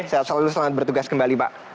sehat selalu selamat bertugas kembali pak